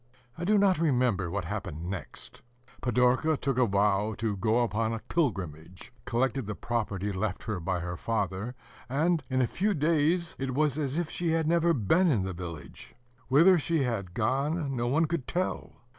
I do not remember what happened next. Pidorka took a vow to go upon a pilgrimage, collected the property left her by her father, and in a few days it was as if she had never been in the village. Whither she had gone, no one could tell.